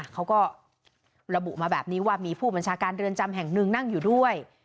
เขาก็ระบุมาแบบนี้ว่ามีผู้บัญชาการเรือนจำแห่งหนึ่งนั่งอยู่ด้วย